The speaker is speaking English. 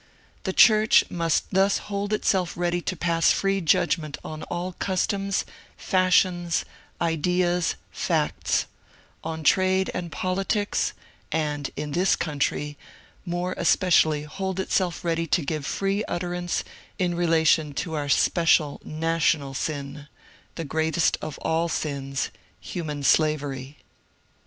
The church must thus hold itself ready to pass free judgment on all customs, fashions, ideas, facts ; on trade and politics — and, in this country, more especially hold itself ready to ^ve free utterance in relation to our special national sin — the greatest of all sins — human slavery.